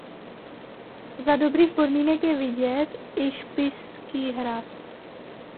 Za dobrých podmínek je vidět i Spišský hrad.